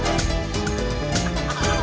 teganya teganya teganya